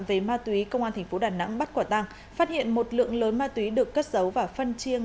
về ma túy công an tp đà nẵng bắt quả tăng phát hiện một lượng lớn ma túy được cất giấu và phân chiêng